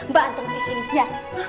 mbak anto disini ya